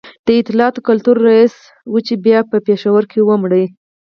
د اطلاعاتو کلتور رئیس و چي بیا په پېښور کي ومړ